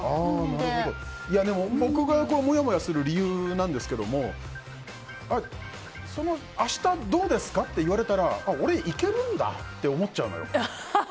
僕がもやもやする理由なんですけど明日どうですか？って言われたら俺いけるんだって思っちゃうのよ。